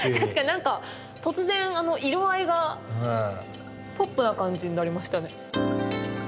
なんか突然あの色合いがポップな感じになりましたね。